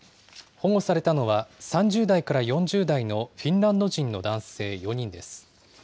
保護されたのは、３０代から４０代のフィンランド人の男性４人です。